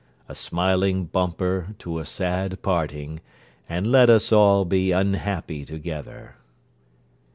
A smiling bumper to a sad parting, and let us all be unhappy together.